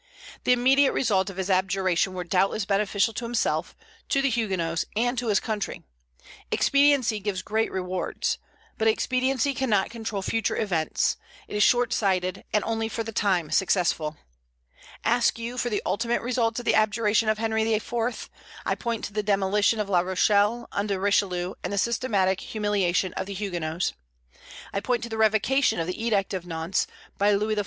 The immediate results of his abjuration were doubtless beneficial to himself, to the Huguenots, and to his country. Expediency gives great rewards; but expediency cannot control future events, it is short sighted, and only for the time successful. Ask you for the ultimate results of the abjuration of Henry IV., I point to the demolition of La Rochelle, under Richelieu, and the systematic humiliation of the Huguenots; I point to the revocation of the Edict of Nantes, by Louis XIV.